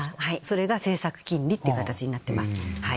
それが政策金利って形になってます。